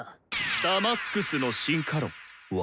ダマスクスの進化論は？